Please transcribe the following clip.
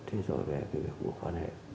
thế rồi về cái việc của quan hệ